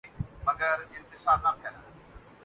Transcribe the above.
معرفت کی دوسری سطح "سائنٹیفک معرفت" ہے۔